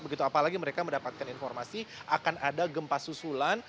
begitu apalagi mereka mendapatkan informasi akan ada gempa susulan